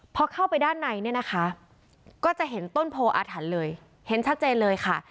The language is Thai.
พอเข้าไปด้านในเนี่ยนะคะก็จะเห็นต้นโพออาถรรพ์เลยเห็นชัดเจนเลยค่ะ